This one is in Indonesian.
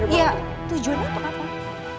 iya tujuannya itu apa